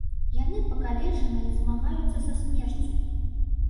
Яны пакалечаныя і змагаюцца са смерцю.